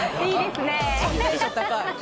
テンション高い。